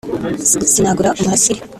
sinagura umurasire